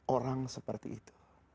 orang seperti itu